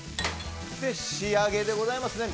仕上げでございますね